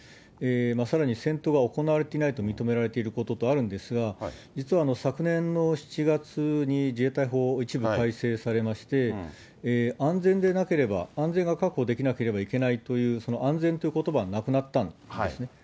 さらに戦闘が行われていないと認められていることとあるんですが、実は昨年の７月に、自衛隊法、一部改正されまして、安全でなければ、安全が確保できなければいけないというその安全ということばはなくなったんですね。